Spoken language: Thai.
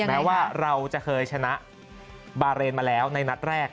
แม้ว่าเราจะเคยชนะบาเรนมาแล้วในนัดแรก